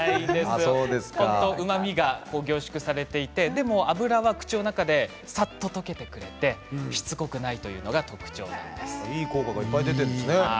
本当にうまみが凝縮されていてでも脂が口の中でさっと溶けてくれていい効果がいっぱい出てるんですね。